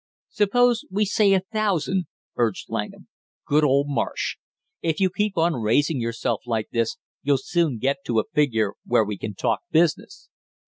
"Suppose we say a thousand," urged Langham. "Good old Marsh! If you keep on raising yourself like this you'll soon get to a figure where we can talk business!"